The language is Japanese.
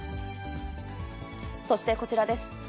そしてこちらです。